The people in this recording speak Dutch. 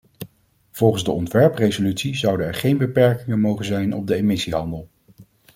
Volgens de ontwerpresolutie zouden er geen beperkingen mogen zijn op de emissiehandel.